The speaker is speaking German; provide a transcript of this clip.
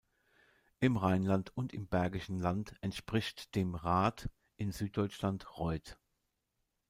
Im Rheinland und im Bergischen Land entspricht dem -rath, in Süddeutschland -reuth.